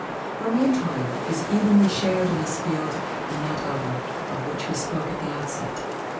Her main triumph is evenly shared in this field and that other, of which we spoke at the outset.